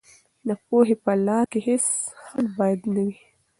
د پوهې په لار کې هېڅ خنډ باید نه وي.